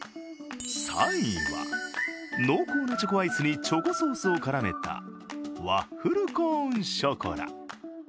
３位は、濃厚なチョコアイスにチョコソースを絡めたワッフルコーンショコラ。